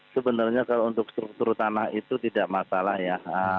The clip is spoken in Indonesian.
sebenarnya kalau untuk struktur tanah itu tidak masalah ya